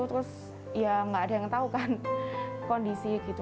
terus ya nggak ada yang tahu kan kondisi gitu